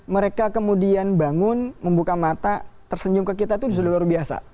mereka kemudian bangun membuka mata tersenyum ke kita itu sudah luar biasa